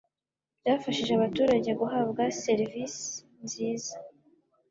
byafashije abaturage guhabwa servisi nziza